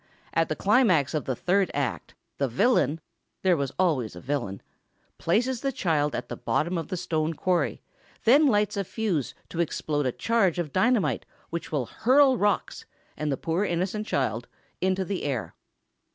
At the climax of the third act, the villain—there was always a villain—places the child at the bottom of the stone quarry, then lights a fuse to explode a charge of dynamite which will hurl rocks, and the poor innocent child, into the air.